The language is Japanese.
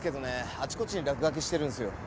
あちこちに落書きしてるんですよ。